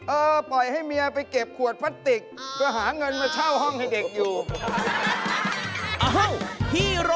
เออปล่อยให้เมียไปเก็บขวดปลาติก